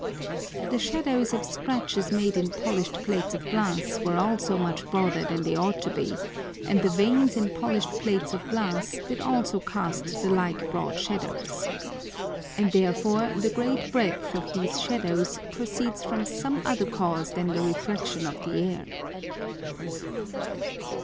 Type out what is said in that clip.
The Shadows of Scratches made in polish'd Plates of Glass were also much broader than they ought to be, and the Veins in polish'd Plates of Glass did also cast the like broad Shadows. And therefore the great breadth of these Shadows proceeds from some other cause than the Refraction of the Air.